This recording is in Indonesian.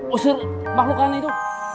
usir makhluk kan itu